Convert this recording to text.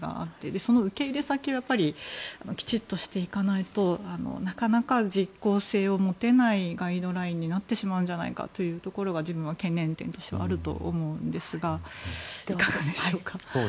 その受け入れ先をきちんとしていかないとなかなか実効性を持てないガイドラインになってしまうんじゃないかというところが自分は懸念点としては、あると思うんですがいかがでしょうか。